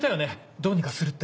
どうにかするって。